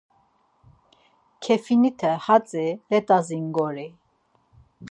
Kefinite hatzi let̆as ingori.